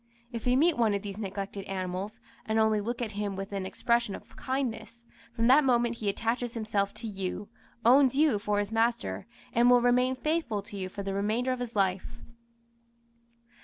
If you meet one of these neglected animals, and only look at him with an expression of kindness, from that moment he attaches himself to you, owns you for his master, and will remain faithful to you for the remainder of his life.